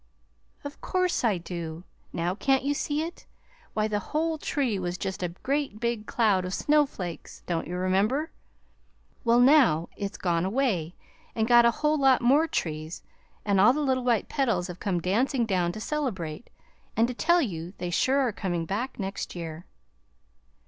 "Of course I do! Now, can't you see it? Why, the whole tree was just a great big cloud of snowflakes. Don't you remember? Well, now it's gone away and got a whole lot more trees, and all the little white petals have come dancing down to celebrate, and to tell you they sure are coming back next year."